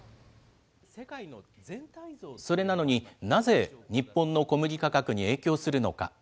それなのに、なぜ日本の小麦価格に影響するのか。